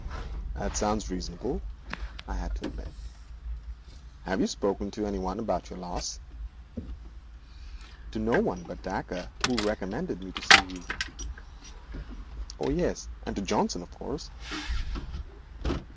'That seems reasonable,' I had to admit. 'Have you spoken to any one of your loss?'; 'To no one but Dacre, who recommended me to see you. Oh, yes, and to Johnson, of course.'